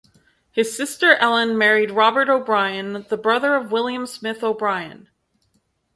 His sister Ellen married Robert O'Brien, the brother of William Smith O'Brien.